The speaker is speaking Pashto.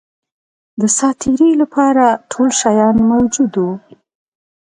د سات تېري لپاره ټول شیان موجود وه.